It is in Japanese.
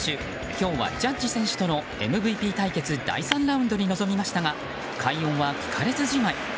今日はジャッジ選手とのＭＶＰ対決第３ラウンドに臨みましたが快音は聞かれずじまい。